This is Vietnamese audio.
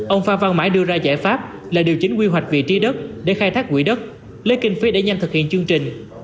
ông phan văn mãi đưa ra giải pháp là điều chỉnh quy hoạch vị trí đất để khai thác quỹ đất lấy kinh phí để nhanh thực hiện chương trình